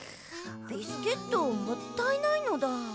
ビスケットもったいないのだ。